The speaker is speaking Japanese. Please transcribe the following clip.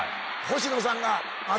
星野さんが。